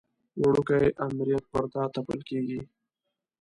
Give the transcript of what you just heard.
وړوکی امریت پر تا تپل کېږي.